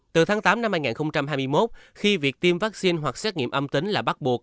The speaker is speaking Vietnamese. từ tháng tám năm hai nghìn hai mươi một khi việc tiêm vaccine hoặc xét nghiệm âm tính là bắt buộc